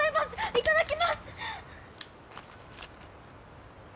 いただきます！